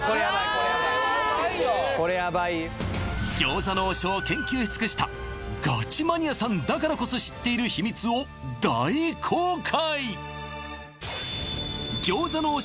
これはうまいよ餃子の王将を研究し尽くしたガチマニアさんだからこそ知っている秘密を大公開！